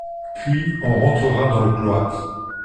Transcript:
Puis on rentrera dans le cloître.